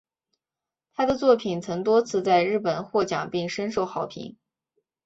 她的作品曾多次在日本获奖并深受好评。